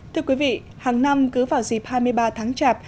thưa quý vị hàng năm cứ vào dịp hai mươi ba tháng chạp